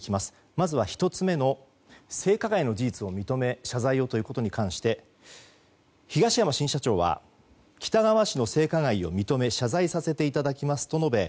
まずは１つ目の性加害の事実を認め謝罪をということに関して東山新社長は喜多川氏の性加害を認め謝罪させていただきますと述べ